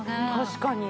確かに。